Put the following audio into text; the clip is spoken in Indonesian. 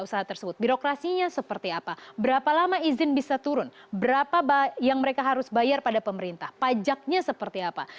usaha tersebut birokrasinya seperti apa berapa lama izin bisa turun berapa yang mereka harus bayar pada pemerintah pajaknya seperti apa